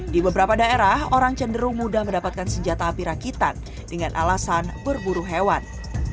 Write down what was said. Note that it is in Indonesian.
di beberapa daerah orang cenderung mudah mendapatkan senjata api rakitan dengan alasan berburu hewan